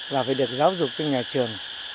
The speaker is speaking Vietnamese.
và việc được giáo dục trên nhà trường